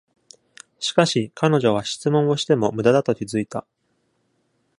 しかし、彼女は質問をしても無駄だと気付いた。